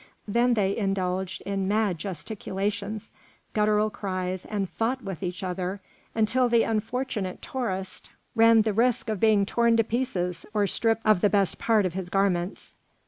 Then they indulged in mad gesticulations, guttural cries, and fought with each other until the unfortunate tourist ran the risk of being torn to pieces or stripped of the best part of his garments.